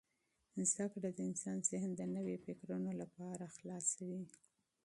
زده کړه د انسان ذهن د نویو فکرونو لپاره پرانیزي.